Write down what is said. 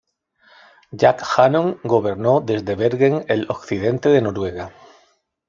Jarl Haakon gobernó desde Bergen el occidente de Noruega.